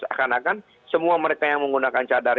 akan akan semua mereka yang menggunakan cadar